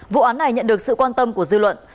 vụ án này nhận được sự quan tâm của dư luận